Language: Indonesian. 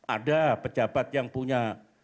ada pejabat yang punya